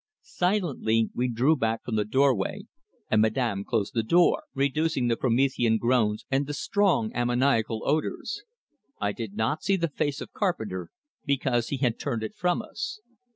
Silently we drew back from the door way, and Madame closed the door, reducing the promethean groans and the strong ammoniacal odors. I did not see the face of Carpenter, because he had turned it from us.